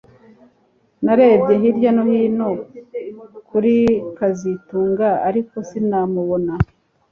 Narebye hirya no hino kuri kazitunga ariko sinamubona